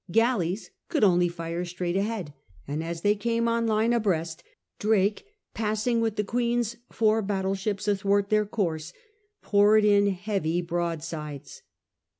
Galleys could only fire straight ahead ; and as they came on line abreast, Drake, passing with the Queen's four battle ships athwart their course, poured in his heavy broadsides.